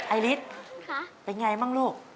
ไอริสเป็นอย่างไรบ้างลูก